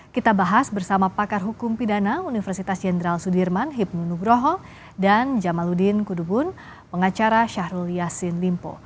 kita bahas bersama pakar hukum pidana universitas jenderal sudirman hibnu nugroho dan jamaludin kudubun pengacara syahrul yassin limpo